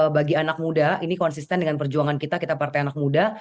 bagi anak muda ini konsisten dengan perjuangan kita kita partai anak muda